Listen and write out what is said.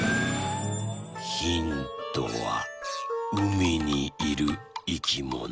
ヒントはうみにいるいきもの。